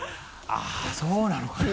あっそうなのかな？